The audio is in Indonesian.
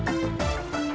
nanti dia ngebelain didu